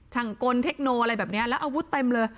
ช่างกลเทคโนอะไรแบบนี้แล้วอาวุธเต็มเลย